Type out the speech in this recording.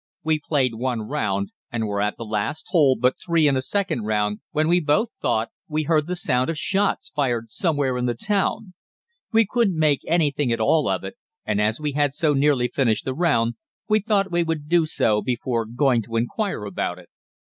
We played one round, and were at the last hole but three in a second round when we both thought we heard the sound of shots fired somewhere in the town. We couldn't make anything at all of it, and as we had so nearly finished the round, we thought we would do so before going to inquire about it.